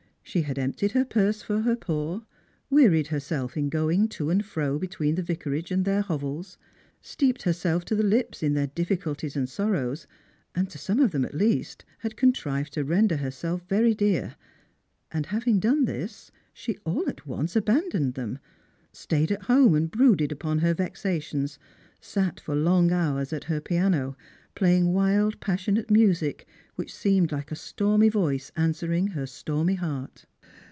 She had emptied her purse for her poor ; wearied her self in going to and fro between the Vicarage and their hovels; steeped herself to the lips in their difficulties and sorrows, and to some of them at least had contrived to render herself very dear; and having done this, she all at once abandoned them, stayed at home and brooded upon her vexations, sat for long hours at her piano, playing wild, passionate music, which seemed like a stormy voice answering her stormy heart.